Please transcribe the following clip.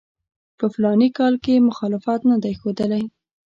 په فلاني کال کې یې مخالفت نه دی ښودلی.